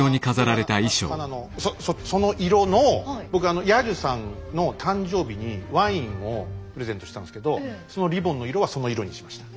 今杉浦アナのその色の僕彌十さんの誕生日にワインをプレゼントをしたんですけどそのリボンの色はその色にしました。